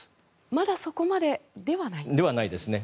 まだそこまでではないと。ではないですね。